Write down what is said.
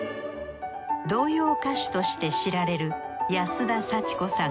童謡歌手として知られる安田祥子さん